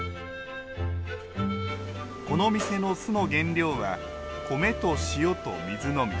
この店の酢の原料は米と塩と水のみ。